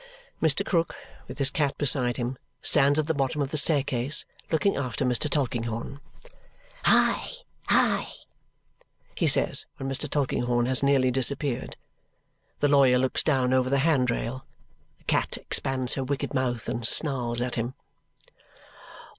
Mr. Krook, with his cat beside him, stands at the bottom of the staircase, looking after Mr. Tulkinghorn. "Hi hi!" he says when Mr. Tulkinghorn has nearly disappeared. The lawyer looks down over the hand rail. The cat expands her wicked mouth and snarls at him.